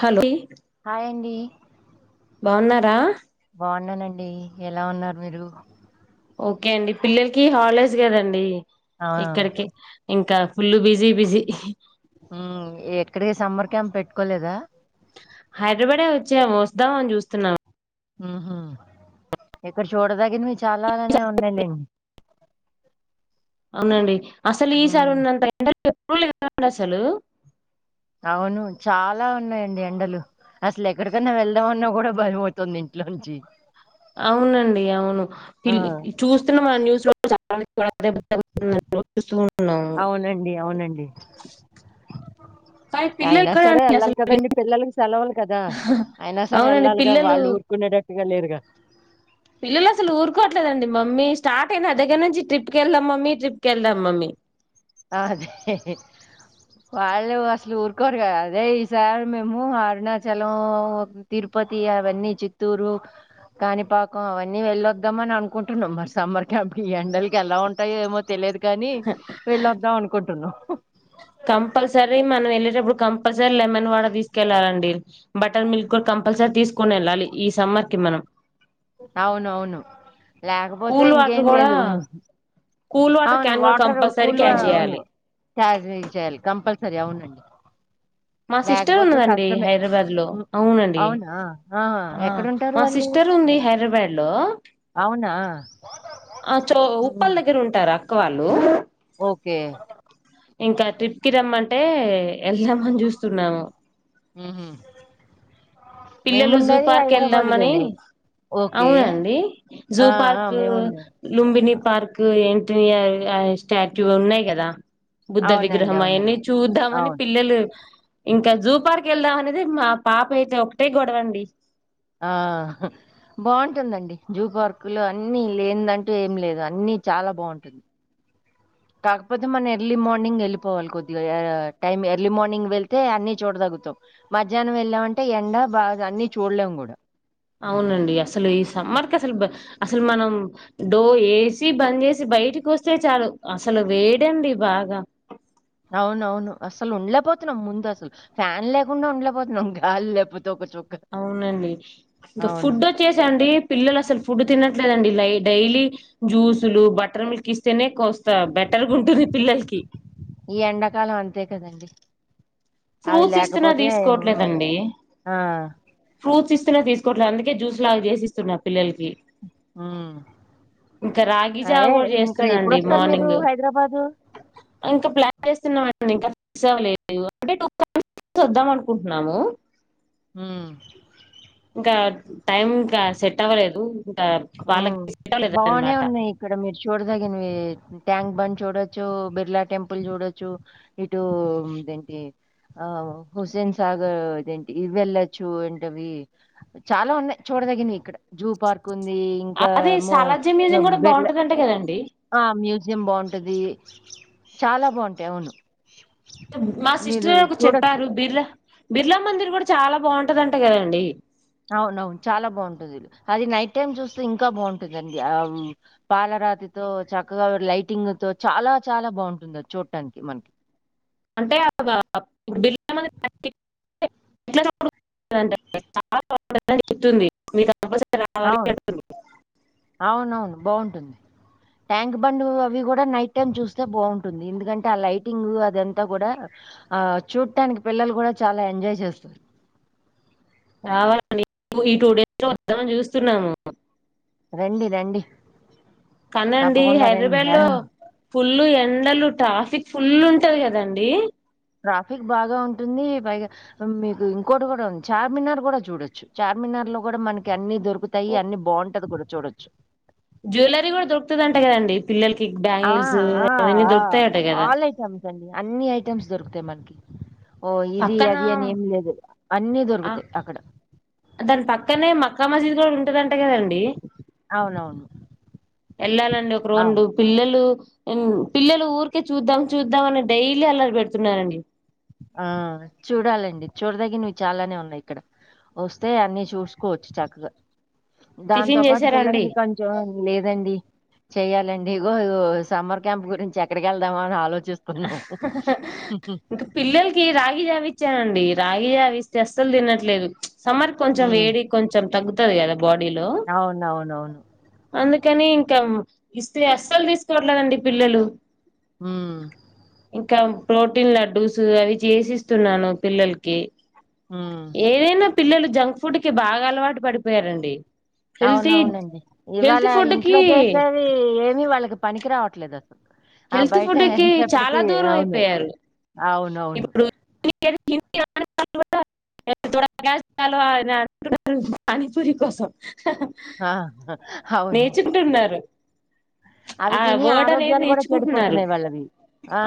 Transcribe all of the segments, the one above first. Hello hi అండి బాగున్నారా బాగున్నానండి ఎలా ఉన్నారు మీరు ఓకే అండి పిల్లలకి హాలిడేస్ కదండి ఆ ఎక్కడికి ఇంకా ఫుల్లు బిజీ బిజి అ ఎక్కడికి సమ్మర్ క్యాంప్ పెట్టుకోలేదా హైదరాబాడే వచ్చే వస్తాం అని చూస్తున్నాము ఉహ ఇక్కడ చూడ దగ్గరవి చాలా అనే ఉన్నాలేండి అవునండి అసలు ఈసారి ఉన్నంత సిగ్గు లేదా అని అసలు అవును చాలా ఉన్నాయంండి ఎండలు అసలు ఎక్కడికైన్నా వెళ్దాం అని అన్న కూడా భయ అవుతుంది ఇంట్లో నుంచి అవునండి అవును ఆ ఇల్లు చూస్తున్న మన న్యూస్ లో అ అవునండి అవునండి కానీ పిల్లలు అయినా ఎక్కడ సరే అండి వెళ్ళాలి అసలు విన- కదండి పిల్లలకి సెలవులు కదా అయినా సరే అవునండి వెళ్ళాలి కదా పిల్లలు వాళ్ళు ఊరుకునేటటు ఇగా లేదుగా పిల్లలు అసలు ఊరుకోట్లేదండి మమ్మీ స్టార్ట్ అయినా దగ్గర నుంచి ట్రిప్ కి వెళ్దాం మమ్మీ ట్రిప్ కి వెళ్దాం మమ్మీ అదే వాళ్ళు అసలు ఊరుకోరు కదా అదే ఈసారి మేము అరుణాచలం తిరుపతి అవన్నీ చిత్తూరు కాణిపాకం అవన్నీ వెళ్ళొద్దామ అని అనుకుంటున్నాం మరి సమ్మర్ క్యాంప్ ఈ ఎండలకి ఎలా ఉంటాయో ఏమో తెలియదు కానీ వెళ్ళద్దాం అనుకుంటున్నాం కంపల్సరీ మనం వెళ్ళేటప్పుడు కంపల్సరీ లెమన్ వాటర్ తీసుకెళ్ళాలండి బటర్ మిల్క్ కూడా కంపల్సరీ తీసుకోని వెళ్ళాలి సమ్మర్ కి మనం అవును అవును లేకపోతే కూల్ వాటర్ ఇంకేం కూడా లేదు కూల్ వాటర్ అవును క్యాన్ కూడా వాటర్ కంపల్సరీ కూల్ క్యాచ్ అవును చేయాలి చార్జ్ చేయాలి కంపల్సర సరే అవునండి మా సిస్టర్ లేకపోతే ఉన్నదండి కష్టమే హైదరాబాద్ లో ఉమ్, అవునండి అవునా ఆహా ఆ ఎక్కడుంటారు మా వాళ్ళు సిస్టర్ ఉంది హైదరాబాద్ లో అవునా ఆ చో ఉమ్, ఉప్పల్ దగ్గర ఉంటారా ఎక్క వాళ్ళు ఓకే ఇంకా ట్రిప్ కి రమ్మంటే ఎ ఎల్థం అని జూస్ సున్నాము హమ్ హమ్ పిల్లలు జూ పార్క్ వెళ్దామని ఓకే అవునండి జూ ఆ ఆ పార్క్ మేముండే లుంబినీ పార్క్ ఏంటి స్టాట్యూ ఉన్నాయి కదా బుద్ధ అవునండి విగ్రహం అయన్నీ అవునండి చూద్దామని అవును పిల్లలు ఇంకా జూ పార్క్ వెళ్దాం అనేది మా పాప అయితే ఒక టె గొడవండి ఆ బాగుంటుందండి జూ పార్కు లో అన్ని లేదంటూ ఏం లేదు అన్ని చాలా బాగుంటుంది కాకపోతే మనం ఎర్లీ మార్నింగ్ వెళ్ళిపోవాలి కొద్దిగా టైం ఎర్లీ మార్నింగ్ వెళ్ితే అన్ని చూడదాగుతాం మధ్యాహ్నం వెళ్ళామంటే ఎండ బాగా అన్ని చూడలేము కూడా అవునండి అసలు ఈ సమ్మర్ క అసలు అసలు మనం డో వేసి బంద్ చేసి బయటికి వస్తే చాలు అసలు వేడండి బాగా అవునవును అసలు ఉండలేపోతున్నాం ముందు అసలు ఫ్యాన్ లేకుండా ఉండలేపోతున్నాం గాలి లేకపోతే ఒక చుక్క అవునండి ఇంకా అవును ఫుడ్ వచ్చేశానడి పిల్లలు అసలు ఫుడ్ తినట్లేదండి లై డైలీ జ్యూసులు బటర్ మిల్క్ ఇస్తేనే కోస్తా బెటర్గా ఉంటుంది పిల్లలకి ఈ ఎండాకాలం అంతే కదండి అవి ఫ్రూట్స్ ఇస్తున్నా లేకపోతే హ్మ్. తీసుకోవట్లేదండి ఆ ఫ్రూట్స్ ఇస్తు తీసుకోట్లే అందుకే జూ లా చేసిస్తున్న పిల్లలకి హ్మ్. ఇంకా రాగి జావా అదే కూడా ఇంకా చేస్తున్నాండి ఎప్పుడొస్తారు మీరు మార్నింగ్ హైదరాబాదు? ఇంకా ప్లాన్ చేస్తున్నా ఇంక ఫిక్స్ అవ్వలేదు టె [inaudible] చూద్దాం అనుకుంటున్నాము హమ్ ఇంకా టైం ఇంకా సెట్ అవ్వలేదు ఇంకా వాళ్ళకి హమ్ సెట్ అవ్వలేదు బానే అనమాట ఉన్నాయి ఇక్కడ మీరు చూడదగినవి ట్యాంక్ బండ్ చూడొచ్చు బిర్లా టెంపుల్ చూడొచ్చు ఇటూ ఇదేంటి ఆ హుస్సేన్ సాగర్ ఇదేంటి ఇవి వెళ్లొచ్చు ఏంటవి చాలా ఉన్నాయ్ చూడదగినవి ఇక్కడ జూ పార్క్ ఉంది. ఇంకా అది ఏమో సాలార్జీ మ్యూజియం కూడ బిర్లా బాగుంటదంట కదండి ఆ మ్యూజియం బాగుంటది చాలా బాగుంటాయి అవును మా మీరు సిస్టర్ ఒకరు చూడొచ్చు. చెప్పారు బ బిర్లా మందిర్ కూడ చాలా బాగుంటదంట కదండి అవునవును చాలా బాగుంటుది అది నైట్ టైమ్ చూస్తే ఇంకా బాగుంటదండి ఆ పాలరాతితో చక్కగా లైటింగ్తో చాలా చాలా బాగుంటుంది అది చూడటానికి మనకి [unintelligible] రావాలి అవును అంటుంది అవునవును బాగుంటుంది ట్యాంక్ బండ్ అవి కూడా నైట్ టైమ్ చూస్తే బాగుంటుంది ఎందుకంటే ఆ లైటింగ్ ఆ అదంతా కూడా ఆ చూడటానికి పిల్లలు కూడా చాలా ఎంజాయ్ చేస్తరు రావాలండి ఈ టూ డేస్ లో వద్దాం అని చూస్ స్తున్నాము రండి రండి కాదండి తప్పకుండా రండి. హైదరాబాద్ ఆ! లో ఫుల్లు ఎండలు ట్రాఫిక్ ఫుల్ ఉంటది కదండి ట్రాఫిక్ బాగా ఉంటుంది పైగా మీకు ఇంకోటి కూడా ఉంది చార్మినార్ కూడా చూడొచ్చు చార్మినార్ లో కూడా మనకి అన్ని దొరు రుత్తాయి అన్ని బాగుంటది కూడ చూడొచ్చు జ్యూవెలరీ కూడా దొరుకుతది అంట కదండి పిల్లల్ ఆ ఆ ఆ కదా ఆల్ ఐటమ్స్ అండి అన్ని ఐటమ్స్ దొరుకుతాయి మనకి ఓ ఇది పక్కన అది అని ఏమి లేదు అన్ని ఆ దొరుకుతాయి అక్కడ దాని పక్కనే మ కమజీది కూడ ఉంటదన్ కదండీ అవునవును ఏళ్ళాలండి ఒక అవు రొండు పిల్లలు హమ్ పిల్లలు ఊరికే చూద్దాం చూద్దాం అని డైలీ అల్లరి పెడుతున్నారండి ఆ చూడాలండి చూడదగినవి చాలానే ఉన్నాయి ఇక్కడ వస్తే అన్నీ చూసుకోవచ్చు చక్కగ దాంతో టిఫిన్ పాటు చేసారండి పిల్లలకి కొంచెం లేదండి చెయ్యాలండి ఇగో ఇగో సమ్మర్ క్యాంప్ గురించి ఎక్కడికి వెళ్దామ అని ఆలోచన అ హహహ ఇక పిల్లలు కి రాగి జావ ఇచ్చానండి రాగి జావ ఇస్తే అస్సలు తినట్లేదు చ్ సమ్మర్ కొంచెం ఉమ్ వేడి కొంచెం తగ్గు తది కద అవునవునవును అందుకని ఇంకా ఇస్తీ అస్సాలు తీసుకోవట్లేదండి పిల్లలు హమ్ ఇంకా ప్రోటీన్ లడ్డూస్ అవి చేసిస్తున్నాను పిల్లలకి ఉమ్ ఏదైనా పిల్లలు జంక్ ఫుడ్డుకి బాగా అలవాటు పడిపోయారండి హెల్తీ అవునవునండి ఇవాళ హెల్త్ ఫుడ్ ఇంట్లో కి చేసేవి ఏమి వాళ్ళకి పనికి రావడం ద హెల్త్ ఫుడ్ కి చాలా దూరం అవును. అయిపోయారు అవునవును. ఇప్పుడు ఎ కాలో అని అంటున్నారు పానీపూరి కోసం ఆ అవును నేర్చుకుంటున్నారు అవి ఆ తిన వర్డ్ అనేది ఆరోగ్యాలు కూడా చెడు నేర్చుకుంటున్నారు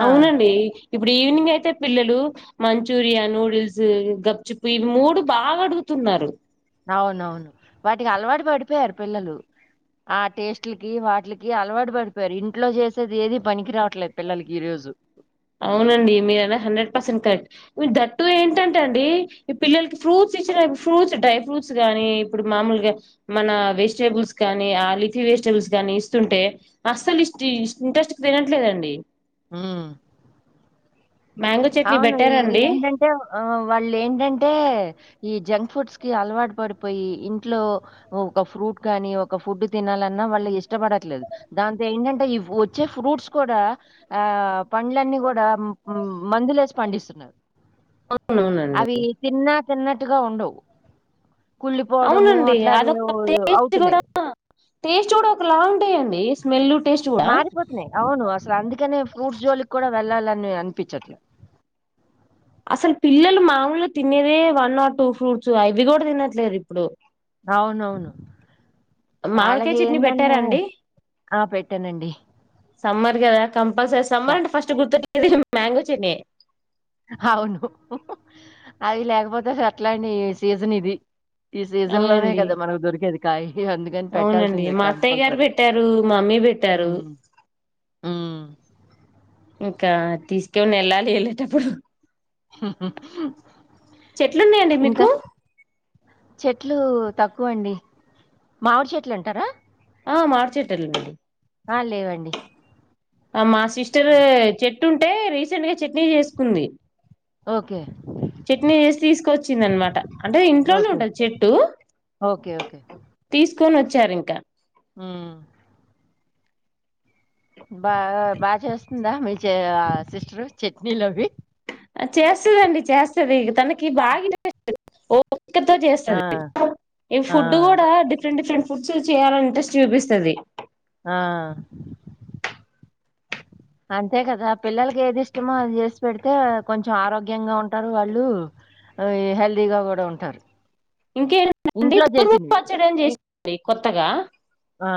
అవునండి ఇప్పుడు ఈవినింగ్ అయితే పిల్లలు మంచూరియా నూడిల్స్ గప్చిప్ ఇవి మూడు బాగా అడుగుతున్నారు అవునవును వాటికి అలవాటు పడిపోయారు పిల్లలు ఆ టేస్ట్లకి వాటికి అలవాటు పడిపోయారు ఇంట్లో చేసేది ఏది పనికి రావట్లేదు పిల్లలకి ఈ రోజు అవునండి మీరన్న హండ్రెడ్ పర్సెంట్ కరెక్ట్ దట్టూ ఏంటంటే అండి ఈ పిల్లలకి ఫ్రూట్స్ ఇచ్చిన ఫ్రూట్స్ డ్రై ఫ్రూట్స్ గానీ ఇప్పుడు మామూలుగా మన వెజిటేబుల్స్ కానీ ఆ లిఫీ వెజిటేబుల్స్ కాని ఇస్తుంటే అస్సలు ఇష్ ఇంట్రెస్ట్ గా తినట్లేదండి ఊ మ్యాంగో చట్నీ అవును ఈ పెట్టారండి ఏంటంటే వాళ్ళు ఏంటంటే ఈ జంక్ ఫుడ్స్ కి అలవాటు పడిపోయి ఇంట్లో ఒక ఫ్రూట్ కానీ ఒక ఫుడ్ తినాలన్నా వాళ్ళు ఇష్టపడట్లేదు దాంతో ఏంటంటే ఈ వచ్చే ఫ్రూట్స్ కూడా ఆ పండ్లన్నీ కూడా మందులేసి పండిస్తున్నారు అవునవునండి అవి తిన్నా తిన్నట్ అట్టుగా ఉండవు కుళ్ళిపోవడము అవునండి అట్లానే అదొక టేస్ట్ కూడా అవుతున్నాయి టేస్ట్ కూడా ఒకలా ఉంటాయండి స్మెల్ టేస్ట్ కూడా మారిపోతున్నాయ్ అవును అ అసలు అందుకనే ఫ్రూట్స్ జోలికి కూడా వెళ్ళాలని అనిపించట్లా అసలు పిల్లలు మాముూలు తినేదే వన్ ఆర్ టూ ఫ్రూట్స్ అవి కూడా తినట్లేదు ఇప్పుడు అవునవును మామిడికాయ వాళ్ళకి చట్నీ ఏంటంటే పెట్టారండి ఆ పెట్టానండి సమ్మర్ కదా కంపల్సరీ స సమ్మర్ అంటే ఫస్ట్ గుర్తుట్ ఇది మాంగో చట్నీయే అవును అది లేకపోతే అట్లాని సీజన్ ఇది ఈ సీజన్ లోనే అవునండి కదా మనకు దొరికేది కాయ్ అవునండి మా అత్తయ్య గారు పెట్టారు మమ్మీ పెట్టారు హ్మ్. హ్మ్. ఇంకా తీసుకోని వెళ్ళాలి వెళ్ళేటప్పుడు హ చెట్లు ఉన్నాయండి ఇంకా మీకు చెట్లు తక్కు ఎక్కువ అండి మామిడి చెట్లు అంటారా ఆ మార్చేటోళ్ళమండి ఆ లేవండి ఆ మాస్ సిస్టర్ హ్మ్. చెట్టు అంటే రీసెంట్ గా చట్నీ చేసుకుంది ఓకే. చట్నీ వేసి తీసుకొచ్చింది అన్నమాట అంటే ఇంట్లోనే ఓకే. ఉంటుంది చెట్టు ఓకే. తీసు తీసుకొని వచ్చారు ఇంక ఊ బా బా చేస్తుందా మీ ఆ సిస్టరు చట్నీలవి చేస్తదండి చేస్తది తనకి బాగ ఇంట్రెస్ట్ ఓ క్కతో ఆ! చేస్తది ఈ ఆ! ఫుడ్ కూడా డిఫరెంట్ డిఫరెంట్ ఫుడ్స్ చేయాలని ఇంట్రెస్ట్ చూపిస్తది ఆ అంతే కదా పిల్లలకి ఏది ఇష్టమో అది చేసి పెడితే కొంచెం ఆరోగ్యంగా ఉంటారు వాళ్ళు హెల్దీగా కూడా ఉంటారు ఇంకేండి ఇంట్లో తూర్ము చేసినవి పచ్చడి అని ఇ చేసింది కొత్తగా ఆ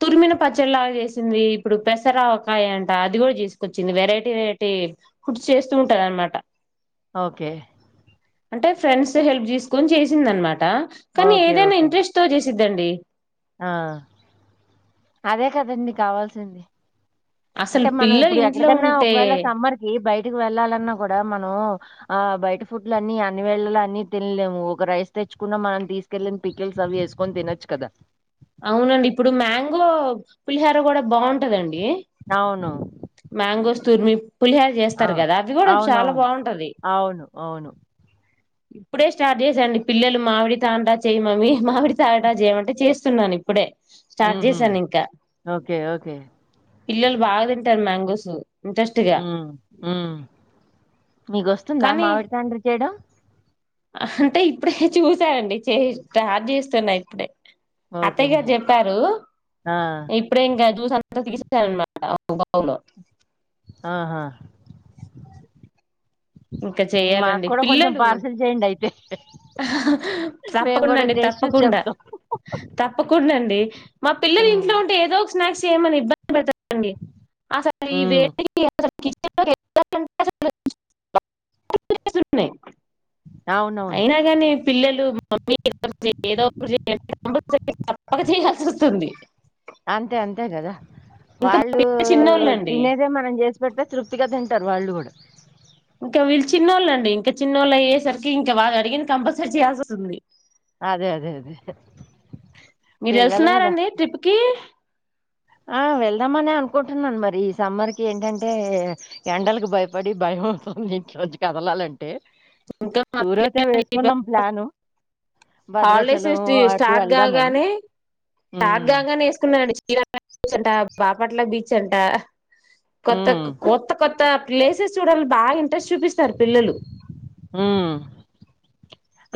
తురిమిన పచ్చడి లాగా చేసింది ఇప్పుడు పెసరవకాయ అంట అది కూడా చేసుకొచ్చింది వెరైటీ వెరైటీ ఫుడ్స్ చేస్తూ ఉంటది అనమాట ఓకే అంటే ఫ్రెండ్స్ హెల్ప్ చే సుకొని చేసింది అనమాట కానీ ఓకే ఏదైనా ఓకే ఇంట్రెస్ట్తో ద్దండి ఆ అదే కదండి కావాల్సింది అసలు అంటే మనం పిల్లలు ఇప్పుడు ఇంట్లో ఎక్కడికన్నా ఉంటే ఒకవేళ సమ్మర్ కి బయి ఇకి వెళ్ళాలన్నా కూడా మనం ఆ బయట ఫుడ్లు అన్ని అన్ని వెళ్ళలు అన్ని తినలేము ఒక రైస్ తెచ్చుకున్నా మనం తీసుకెళ్ళిన పికిల్స్ అవి వేసుకొని తినొచ్చు కదా అవునండి ఇప్పుడు మ్యాంగో పులిహర కూడా బాగుంటదండి ఏ అవును మ్యాంగోస్ తూర్మి పులిహార ఆ చేస్తారు కదా అది కూడా చాలా అవునవును బాగుంటది అవును అవును ఇప్పుడే స్టార్ట్ చేసా అండి పిల్లలు మామిడి తండా చెయ్యి మమ్మీ మామిడి తండా చెయ్యమంటే చేస్ స్తున్నాను ఇప్పుడే ఉహు ఓకే ఓకే పిల్లలు బాగా తింటారు మ్యాంగోస్ ఇంట్రెస్ట్ గా మీకోస్తుందా మామిడి తండ్ర చేయడం అహ్ అంటే ఇప్పుడే చూసా అండి చే స్టార్ట్ చేస్తున్నా ఇప్పుడే ఓకే అత్తయ్య గారు చెప్పారు ఆ ఇప్పుడే ఇంకా జ్యూస్ అ తీసేసా అనమాట [unintelligible] ఆహా ఇంకా మాకు చెయాలండి కూడా కొంచెం పిల్లలు పార్సిల్ చేయండి అయితే మేము తప్పకుండా కూడా అండి టేస్ట్ చూసి తప్పకుండా చెప్తాం తప్పకుండా అండి మా పిల్లలు ఇంట్లో ఉంటే ఏదో ఒక స్నాక్స్ చేయమని ఇబ్బం తారు అండి అసలు ఉమ్, ఇవేవీ [unintelligible] [unintelligible] [unintelligible] అవునవును అయినా కాని పిల్లలు మమ్మీ ఏదో ఒకటి చెయ్ ఏదో ఒకటి చెయ్ అంటే తప్పక చేయయాల్సి వస్తుంది అంతే అంతే కదా ఇంకా మా వాళ్ళు పిల్లలు చిన్నోళ్ళండి తినేదే మనం చేసు పెడ్తే తృప్తిగా తింటారు వాళ్ళు కూడా ఇంకా వీళ్ళు చిన్నోళ్ళ అండి ఇంకా చిన్నోళ్ళు అయ్యేసరికి ఇంకా వాళ్ళు అడిగగింది కంపల్సరీ చేయాసి వస్తుంది అదే అదే అదే మీరు పిల్లలు కదా వెళ్తున్నారండి ట్రిప్ కి ఆ వెళ్దామని అనుకుంటున్నాను మరి ఈ సమ్మర్ కి ఏంటంటే ఎండలకి భయపడి భయం అవుతుంది ఇంట్లో నుంచి కదలాలంటె ఇంకా టూర్ అతే వేసుకున్నాం ప్లాను హాలిడేస్ భద్రాచలం అటు వెళ్దామని చాట్ ఉమ్, కాగానే ఏసుకున్నా అదే అండి చీరాల బీచ్ అంట బాపట్ల బీచ్ అంట కొత్త ఉమ్, కొత్త కొత్త ప్లేసస్ చూడల్ బాగా ఇంట్రెస్ చూపిస్తారు పిల్లలు ఉమ్.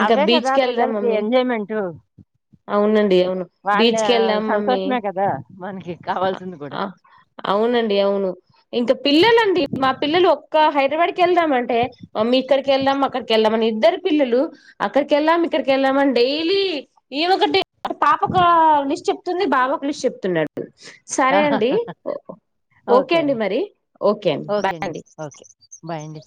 ఇంకా అవే కదా బీచ్కి వెళదాం పిల్లలకి మమ్మీ ఎంజాయ్మెంట్ అవునండి అవును వాళ్ళ బీచ్కి వెళ్దాం మమ్మీ సంతోషమే కదా మనకి ఆ కావాల్సింది కూడా ఆ అవునండి అవును ఇంకా పిల్లలండి మా పిల్లలు ఒక్క హైదరాబాదుకు వెళ్దాం అంటే మమ్మీ ఇక్కడికి ఏళ్దం అక్కడికిళ్దామని ఇద్దరు పిల్లలు అక్కడికి వెళ్ళాం ఇక్కడికి వెళ్ళాం అని డైలీ ఏమ ఒకటి పాప ఒక లిస్ట్ చెప్తుంది బాబు ఒక లిస్ట్ చెప్తున్నాడు సరే అండి ఓకే అండి మరి ఓకే అండి బాయ్ అండి బాయ్ అండి